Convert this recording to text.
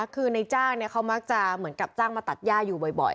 คือในจ้างเขามักจะเหมือนกับจ้างมาตัดย่าอยู่บ่อย